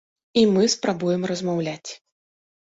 І мы спрабуем размаўляць.